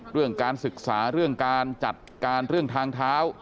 เรื่องการศึกษาเรื่องการจัดการเรื่องทางเท้า